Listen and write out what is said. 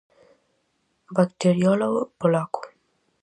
Bacteriólogo polaco.